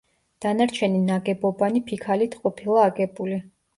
დანარჩენი ნაგებობანი ფიქალით ყოფილა აგებული.